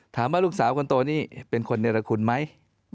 ถามว่าลูกสาวคนโตนี่เป็นคนเนรคุณไหม